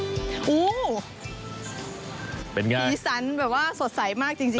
มีสันแบบว่าสดใสมากจริงค่ะ